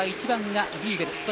１番がリーベル。